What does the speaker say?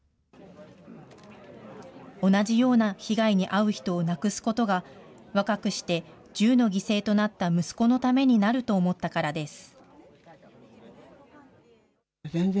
同じような被害に遭う人をなくすことが、若くして銃の犠牲となった息子のためになると思ったからです。